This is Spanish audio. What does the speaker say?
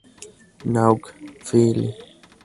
Nauk; Fl.